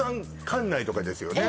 関内とかですよね